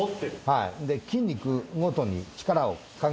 はい。